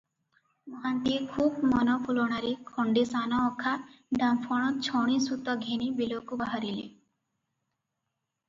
ମହାନ୍ତିଏ ଖୁବ୍ ମନଫୁଲଣାରେ ଖଣ୍ଡେ ସାନ ଅଖା, ଡାମ୍ଫଣ ଛଣିସୂତା ଘେନି ବିଲକୁ ବାହାରିଲେ ।